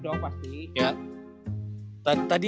dan negatif doang pasti